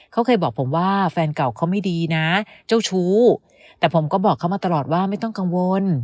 เขาเคยบอกผมว่าแฟนเก่าเขาไม่ดีนะเจ้าชู้แต่ผมก็บอกเขามาตลอดว่าไม่ต้องกังวล